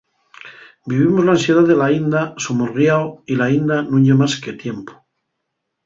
Vivimos l'ansiedá del aínda somorguiao y l'aínda nun ye más que tiempu.